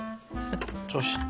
そして。